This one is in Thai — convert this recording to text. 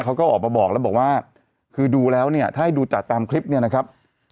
เขาก็ออกมาบอกแล้วบอกว่าคือดูแล้วเนี่ยถ้าให้ดูจากตามคลิปเนี่ยนะครับ